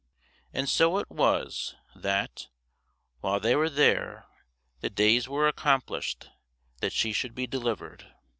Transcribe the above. And so it was, that, while they were there, the days were accomplished that she should be delivered.